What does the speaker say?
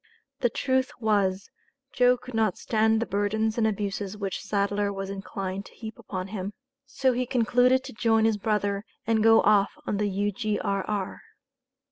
The truth was, Joe could not stand the burdens and abuses which Sadler was inclined to heap upon him. So he concluded to join his brother and go off on the U.G.R.R.